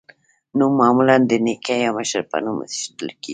نوم معمولا د نیکه یا مشر په نوم ایښودل کیږي.